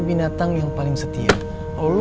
binatang yang paling setia kalau lo